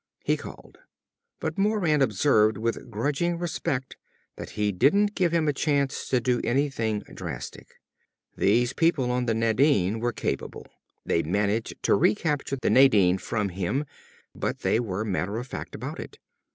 He called. But Moran observed with grudging respect that he didn't give him a chance to do anything drastic. These people on the Nadine were capable. They'd managed to recapture the Nadine from him, but they were matter of fact about it.